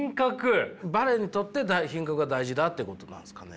バレエにとって品格が大事だっていうことなんですかね？